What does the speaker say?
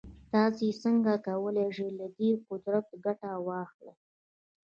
تاسې څنګه کولای شئ له دې قدرته ګټه واخلئ.